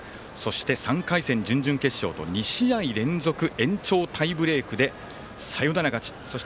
そして、３回戦、準々決勝と２試合連続、延長タイブレークでサヨナラ勝ち。